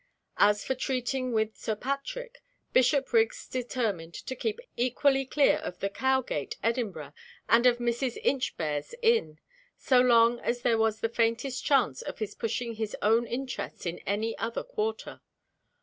As for treating with Sir Patrick, Bishopriggs determined to keep equally dear of the Cowgate, Edinburgh, and of Mrs. Inchbare's inn, so long as there was the faintest chance of his pushing his own interests in any other quarter.